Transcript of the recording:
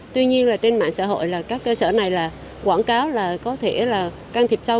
tuy nhiên là trên mạng xã hội là các cơ sở này là quảng cáo là có thể là can thiệp sâu